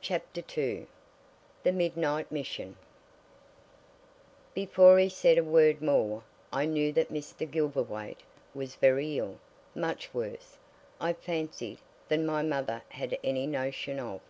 CHAPTER II THE MIDNIGHT MISSION Before he said a word more, I knew that Mr. Gilverthwaite was very ill much worse, I fancied, than my mother had any notion of.